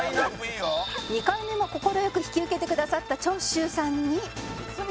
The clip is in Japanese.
「２回目も快く引き受けてくださった長州さんに」